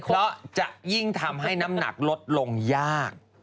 เพราะจะยิ่งทำให้น้ำหนักลดลงยาก